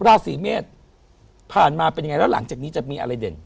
ราศีเมษผ่านมาเป็นยังไงแล้วหลังจากนี้จะมีอะไรเด่น